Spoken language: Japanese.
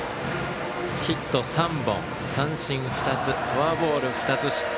ヒット３本、三振２つフォアボール２つ失点